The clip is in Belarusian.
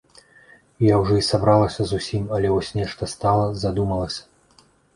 Я ўжо і сабралася зусім, але вось нешта стала, задумалася.